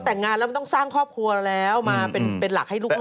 เ฼งงานแล้วต้องสร้างครอบครัวแล้วมาเป็นหลักให้ลูกนุกเลย